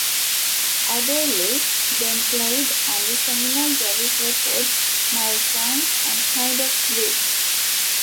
Adderley then played on the seminal Davis records "Milestones" and "Kind of Blue".